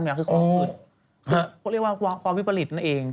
คือเขาเรียกว่าความวิปริตนั่นเอง